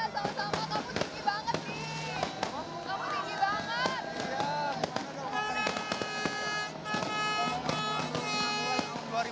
selamat tahun baru